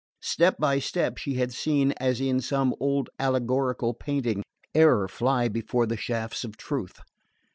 Step by step she had seen, as in some old allegorical painting, error fly before the shafts of truth.